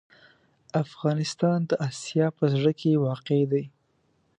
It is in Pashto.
افغانستان د اسیا په زړه کې واقع دی.